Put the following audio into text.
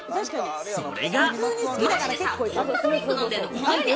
それが。